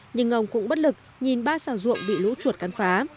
nhưng ông cũng bất lực nhìn ba xào ruộng bị lũ chuột cắn phá